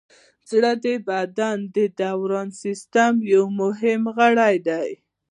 زړه د بدن د دوران سیستم یو مهم غړی دی.